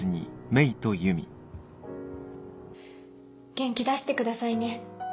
元気出してくださいね。